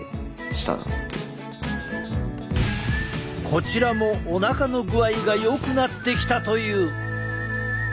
こちらもおなかの具合がよくなってきたという！